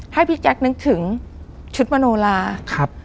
ให้พี่แจ๊กซ์นึกถึงชุดมโนรา